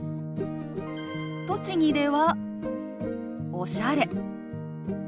栃木では「おしゃれ」。